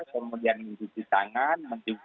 kemudian mencuci tangan